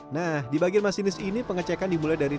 nah di bagian masinis ini pengecekan dimulai dari